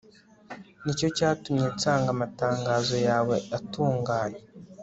ni cyo cyatumye nsanga amatangazo yawe atunganye